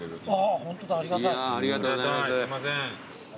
すいません。